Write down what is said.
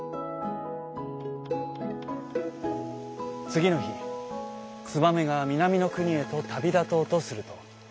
つぎのひツバメがみなみのくにへとたびだとうとすると。